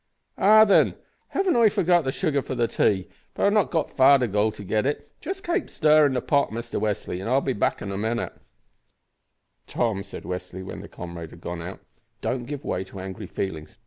"Ah! then, haven't I forgot the shuggar for the tay; but I've not got far to go for to get it. Just kape stirrin' the pot, Mister Westly, I'll be back in a minit." "Tom," said Westly, when their comrade had gone out, "don't give way to angry feelings.